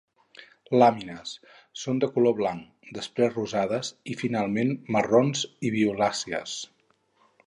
Làmines: són de color blanc, després rosades i finalment marrons i violàcies.